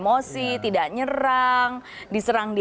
dari luar juga di sini